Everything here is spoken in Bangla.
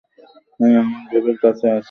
হ্যাঁ, আমার বেবির কাছে আছে।